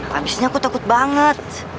habisnya aku takut banget